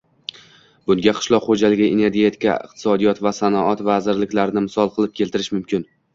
Bunga qishloq xo'jaligi, energetika, iqtisodiyot va sanoat vazirliklarini misol qilib keltirish mumkin